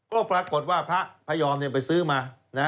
ก็ปรากฏว่าพระพยอมไปซื้อมา